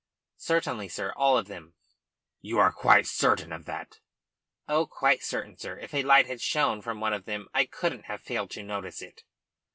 "Certainly, sir, all of them." "You are quite certain of that?" "Oh, quite certain, sir. If a light had shown from one of them I couldn't have failed to notice it."